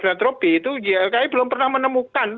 filantropi itu ylki belum pernah menemukan